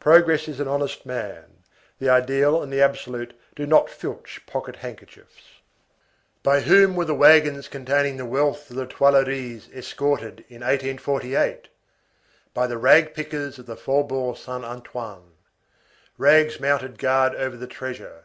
Progress is an honest man; the ideal and the absolute do not filch pocket handkerchiefs. By whom were the wagons containing the wealth of the Tuileries escorted in 1848? By the rag pickers of the Faubourg Saint Antoine. Rags mounted guard over the treasure.